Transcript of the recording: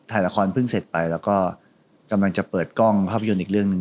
ถ่ายละครเพิ่งเสร็จไปแล้วก็กำลังจะเปิดกล้องภาพยนตร์อีกเรื่องหนึ่ง